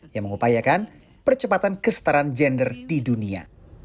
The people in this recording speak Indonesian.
yang mengupayakan percepatan kestaraan gender di dunia